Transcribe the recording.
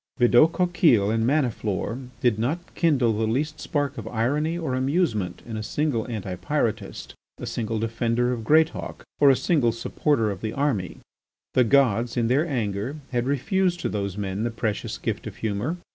Bidault Coquille and Maniflore did not kindle the least spark of irony or amusement in a single Anti Pyrotist, a single defender of Greatauk, or a single supporter of the army. The gods, in their anger, had refused to those men the precious gift of humour.